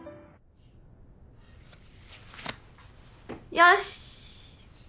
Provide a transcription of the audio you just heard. よし！